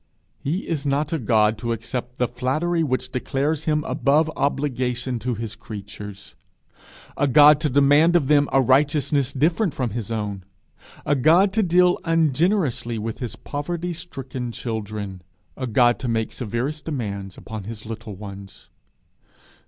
He is not a God to accept the flattery which declares him above obligation to his creatures; a God to demand of them a righteousness different from his own; a God to deal ungenerously with his poverty stricken children; a God to make severest demands upon his little ones!